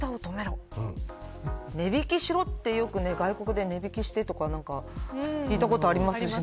値引きしろってよく外国で聞いたことありますしね。